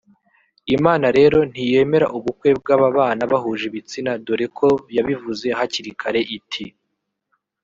Imana rero ntiyemera ubukwe bw’ababana bahuje ibitsina dore ko yabivuze hakiri kare iti